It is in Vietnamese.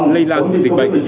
lây lan về dịch bệnh